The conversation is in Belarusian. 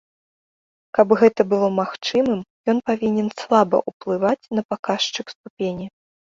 Каб гэта было магчымым, ён павінен слаба ўплываць на паказчык ступені.